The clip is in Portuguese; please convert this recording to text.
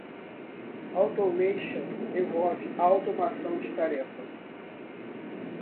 Automation envolve a automação de tarefas.